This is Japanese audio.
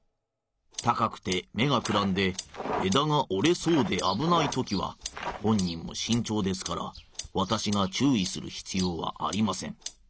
高くて目がくらんで枝がおれそうであぶないときは本人もしんちょうですからわたしがちゅういするひつようはありません。